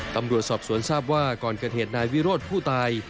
ตำรวจสอบสวนทราบว่าก่อนเกิดเหตุนายวิโรธผู้ตาย